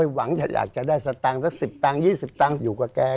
หวังจะอยากจะได้เศรษฐัง๑๐๒๐อยู่กับแก